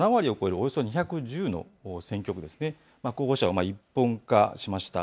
およそ２１０の選挙区ですね、候補者を一本化しました。